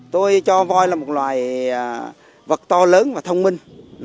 tôi cho voi là một loài vật to lớn và thông minh